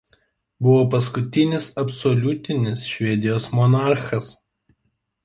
Buvo paskutinis absoliutinis Švedijos monarchas.